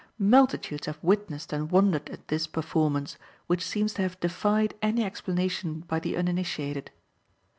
Multitudes have witnessed and wondered at this performance, which seems to have defied any explanation by the uninitiated.